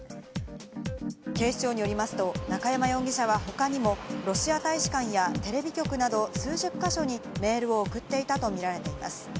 警視庁によりますと中山容疑者は他にもロシア大使館やテレビ局など数十か所にメールを送っていたとみられています。